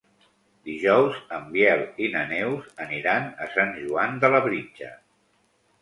Dijous en Biel i na Neus aniran a Sant Joan de Labritja.